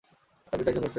তার পিতা একজন ব্যবসায়ী।